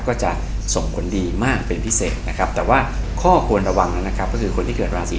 ก็จะส่งผลดีมากเป็นพิเศษนะครับแต่ว่าข้อควรระวังนะครับก็คือคนที่เกิดราศี